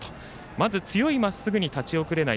まず、強いまっすぐに立ち遅れない。